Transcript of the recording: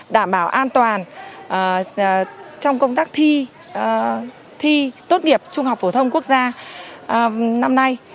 đảm bảo an toàn trong công tác thi tốt nghiệp trung học phổ thông quốc gia năm nay